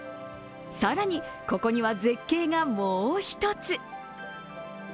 更に、ここには絶景がもう一つ。